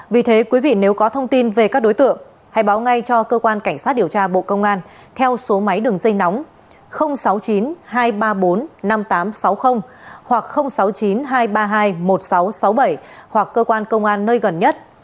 vì thế quý vị nếu có thông tin về các đối tượng hãy báo ngay cho cơ quan cảnh sát điều tra bộ công an theo số máy đường dây nóng sáu mươi chín hai trăm ba mươi bốn năm nghìn tám trăm sáu mươi hoặc sáu mươi chín hai trăm ba mươi hai một nghìn sáu trăm sáu mươi bảy hoặc cơ quan công an nơi gần nhất